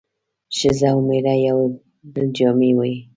ښځه او مېړه د يو بل جامې وي